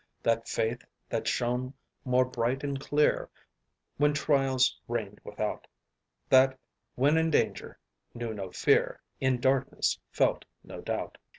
That faith that shone more bright and clear When trials reigned without; That, when in danger, knew no fear, In darkness felt no doubt."